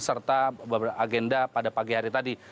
serta agenda pada pagi hari tadi